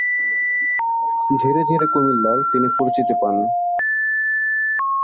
ধীরে ধীরে কুমিল্লার তিনি পরিচিতি পান।